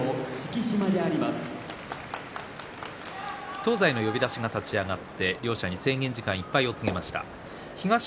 東西の呼び出しが立ち上がって両者に制限時間いっぱいと告げました。